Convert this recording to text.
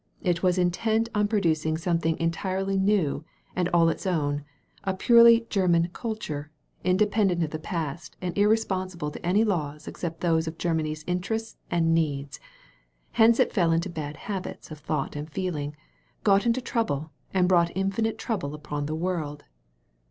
It was intent on produc ing something entirely new and all its own — ^a purely German KvUur, independent of the past, and irre sponsible to any laws except those of Germany's interests and needs. Hence it fell into bad habits of thought and feeling, got into trouble, and brought infinite trouble upon the world."